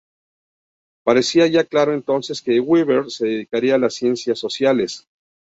Parecía ya claro entonces que Weber se dedicaría a las ciencias sociales.